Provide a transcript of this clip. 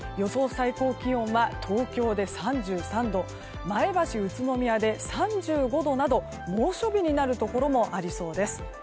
最高気温は東京で３３度前橋、宇都宮で３５度など猛暑日になるところもありそうです。